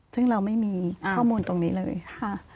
ซึ่งเราไม่มีข้อมูลตรงนี้เลยค่ะ